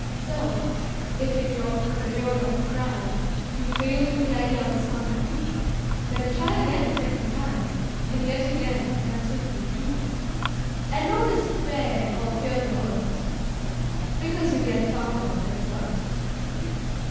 So, if in your career of crime, You fail to carry out some "coup", Then try again a second time, And yet again, until you do; And don't despair, or fear the worst, Because you get found out at first.